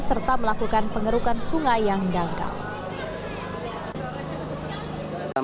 serta melakukan pengerukan sungai yang dangkal